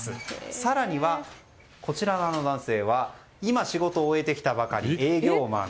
更には、こちら側の男性は今、仕事を終えてきたばかりの営業マン。